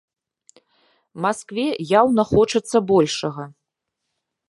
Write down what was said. Маскве яўна хочацца большага.